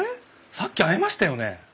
さっき会いましたよね？